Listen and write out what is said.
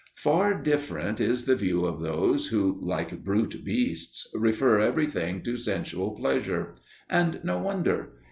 Far different is the view of those who, like brute beasts, refer everything to sensual pleasure. And no wonder.